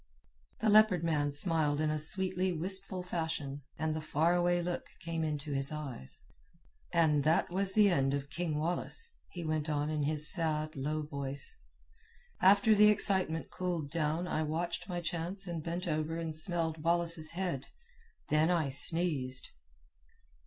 The Leopard Man smiled in a sweetly wistful fashion, and the far away look came into his eyes. "And that was the end of King Wallace," he went on in his sad, low voice. "After the excitement cooled down I watched my chance and bent over and smelled Wallace's head. Then I sneezed."